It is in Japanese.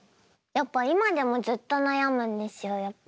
やっぱ今でもずっと悩むんですよ。